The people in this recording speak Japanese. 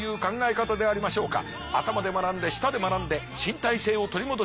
頭で学んで舌で学んで身体性を取り戻していく。